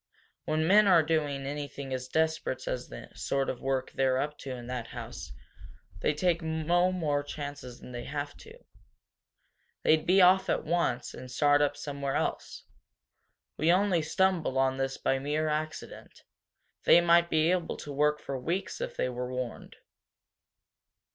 When men are doing anything as desperate as the sort of work they're up to in that house, they take no more chances than they have to. They'd be off at once, and start up somewhere else. We only stumbled on this by mere accident they might be able to work for weeks if they were warned."